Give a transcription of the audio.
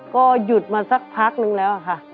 ก็หยุดมาสักพักนึงแล้วค่ะ